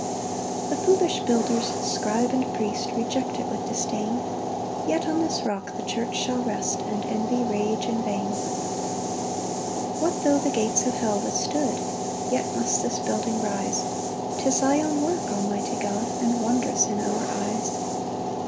3 The foolish builders, scribe and priest, Reject it with disdain; Yet on this rock the church shall rest, And envy rage in vain. 4 What tho' the gates of hell withstood, Yet must this building rise: 'Tis thy own work, almighty God, And wondrous in our eyes.